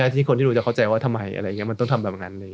ที่คนที่ดูจะเข้าใจว่าทำไมมันต้องทำแบบนั้น